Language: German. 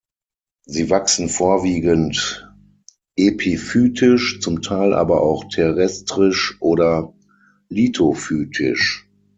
Sie wachsen vorwiegend epiphytisch, zum Teil aber auch terrestrisch oder lithophytisch.